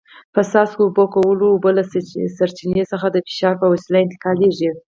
په څاڅکو اوبه کولو کې اوبه له سرچینې څخه د فشار په وسیله انتقالېږي.